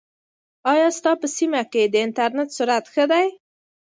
ایا ستا په سیمه کې د انټرنیټ سرعت ښه دی؟